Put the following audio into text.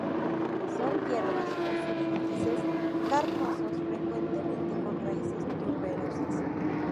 Son hierbas o sufrútices, carnosos, frecuentemente con raíces tuberosas.